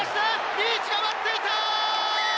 リーチが待っていた！